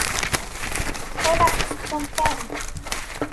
Ur aɣ-ttettumt ara.